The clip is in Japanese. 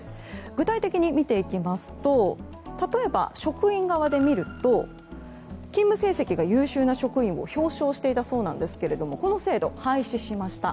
具体的に見ていきますと例えば、職員側で見ると勤務成績が優秀な職員を表彰していたそうですがこの制度を廃止しました。